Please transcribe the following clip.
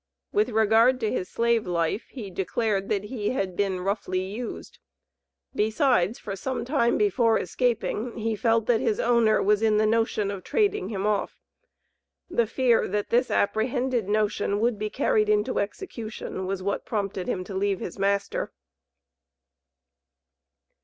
With regard to his slave life, he declared that he had been "roughly used." Besides, for some time before escaping, he felt that his owner was in the "notion of trading" him off. The fear that this apprehended notion would be carried into execution, was what prompted him to leave his master.